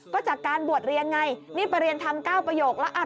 ก็จากการบวชเรียนไงนี่ไปเรียนทำ๙ประโยคแล้วอ่ะ